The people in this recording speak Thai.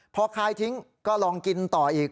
พอคลายทิ้งก็ลองกินต่ออีก